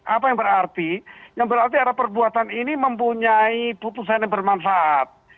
apa yang berarti yang berarti ada perbuatan ini mempunyai putusan yang bermanfaat